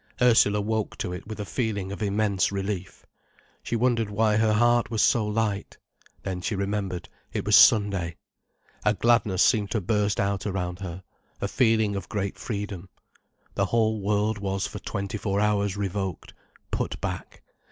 Ursula woke to it with a feeling of immense relief. She wondered why her heart was so light. Then she remembered it was Sunday. A gladness seemed to burst out around her, a feeling of great freedom. The whole world was for twenty four hours revoked, put back.